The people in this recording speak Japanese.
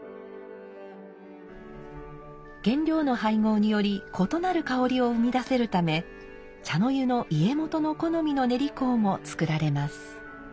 原料の配合により異なる香りを生み出せるため茶の湯の家元の好みの練香も作られます。